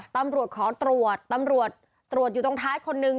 ตำรวจขอตรวจตำรวจตรวจอยู่ตรงท้ายคนนึง